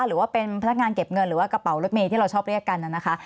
หรือว่าเป็นพนักงานเก็บเงินหรือว่ากระเป๋ารถเมย์ที่เราชอบเรียกกันนะคะ